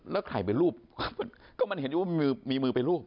แล้วใครเป็นลูกก็มันเห็นอยู่ว่ามีมือเป็นลูก